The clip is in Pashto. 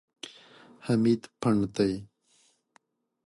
حمید پنډ دی.